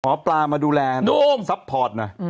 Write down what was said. หมอปลามาดูแลซัพพอร์ตนะ